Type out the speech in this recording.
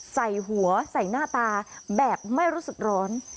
ใส่หัวใส่หน้าตาแบบไม่รู้สึกร้อน